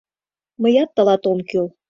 Мыят тылат ом кӱл.